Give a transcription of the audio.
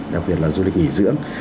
đặc biệt là du lịch nghỉ dưỡng